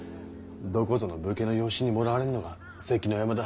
どこぞの武家の養子にもらわれるのが関の山だ。